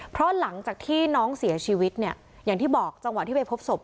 เพราะหลังจากที่น้องเสียชีวิตเนี่ยอย่างที่บอกจังหวะที่ไปพบศพ